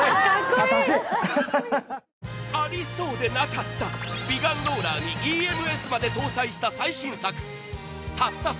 ありそうでなかった美顔ローラーにＥＭＳまで搭載した最新作。